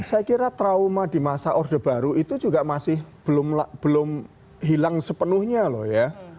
saya kira trauma di masa orde baru itu juga masih belum hilang sepenuhnya loh ya